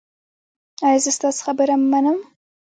ایا زه ستاسو خبره منم؟